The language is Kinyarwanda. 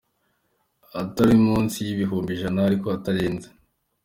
atari munsi y’ibihumbi ijana ariko atarenze